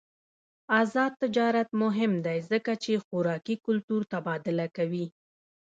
آزاد تجارت مهم دی ځکه چې خوراکي کلتور تبادله کوي.